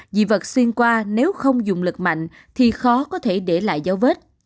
dị vật xuyên qua nếu không dùng lực mạnh thì khó có thể để lại dấu vết